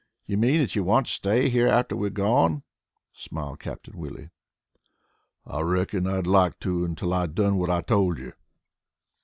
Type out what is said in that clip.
"You mean that you want to stay here after we've gone?" smiled Captain Willie. "I reckoned I'd like to until I'd done what I told you."